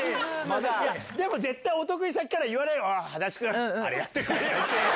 でも絶対お得意先から言われる「足立くんあれやってくれ」って。